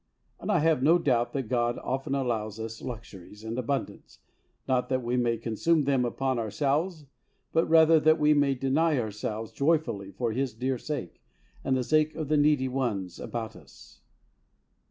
And I have no doubt that God often allows us luxuries and abundance, not that we may consume them upon ourselves, but rather that we may deny ourselves joyfully for His dear sake, and the sake of the needy ones about us.